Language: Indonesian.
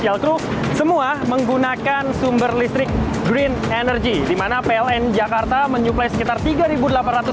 yang digunakan untuk seluruh aktivitas yang ada di serkred mulai dari nge change mobil lalu juga untuk disampaikan uang kaki penonton controls vip furnishing cum pays de gastos